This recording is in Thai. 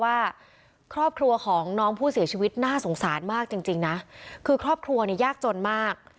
ว่าครอบครัวของน้องผู้เสียชีวิตน่าสงสารมากจริงจริงนะคือครอบครัวเนี่ยยากจนมาก